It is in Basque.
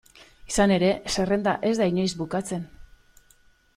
Izan ere, zerrenda ez da inoiz bukatzen.